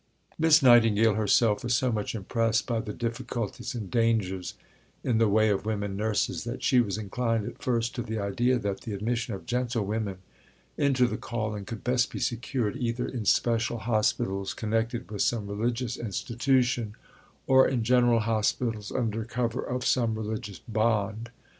Miss Nightingale herself was so much impressed by the difficulties and dangers in the way of women nurses, that she was inclined at first to the idea that the admission of gentlewomen into the calling could best be secured, either in special hospitals connected with some religious institution, or in general hospitals under cover of some religious bond.